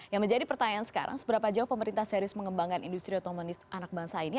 yang menjadi pertanyaan sekarang seberapa jauh pemerintah serius mengembangkan industri otomanis anak bangsa ini